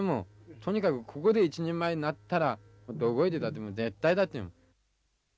とにかくここで一人前になったらどこへ出たってもう絶対だっていう。